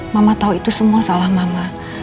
mama tahu itu semua salah mama